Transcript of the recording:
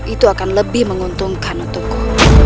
itu akan lebih menguntungkan untukku